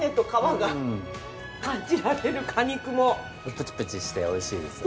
プチプチして美味しいですよね。